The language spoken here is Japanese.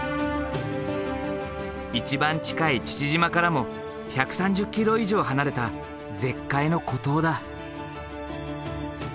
１番近い父島からも１３０ｋｍ以上離れた絶海の孤島だ。